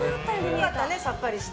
良かったね、さっぱりして。